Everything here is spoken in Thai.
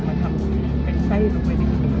มาทำเป็นไส้หมูแย่หูกาล